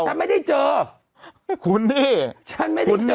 คุณนี่คุณนี่ฉันไม่ได้เจอ